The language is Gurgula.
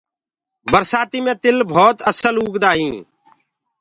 برسآتي مي تِل ڀوت اسل اُگدآ هينٚ۔